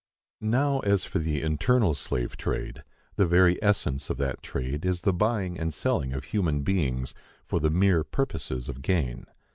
Now, as for the internal slave trade,—the very essence of that trade is the buying and selling of human beings for the mere purposes of gain.